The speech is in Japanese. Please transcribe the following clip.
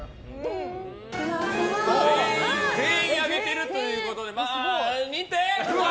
全員上げてるということでまあ認定！